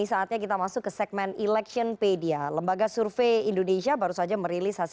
yang tidak tahu atau tidak jawab ada di lima lima persen